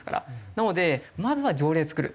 なのでまずは条例を作る。